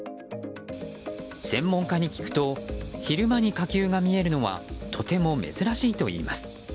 専門家に聞くと昼間に火球が見えるのはとても珍しいといいます。